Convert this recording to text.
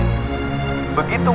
apa ada uang